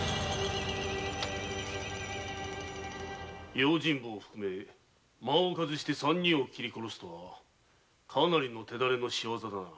用心棒を含め三人を切り殺すとはかなりの手練の仕業だな。